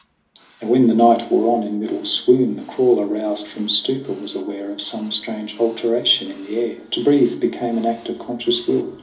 Now when the night wore on in middle swoon, The crawler, roused from stupor, was aware Of some strange alteration in the air. To breathe became an act of conscious will.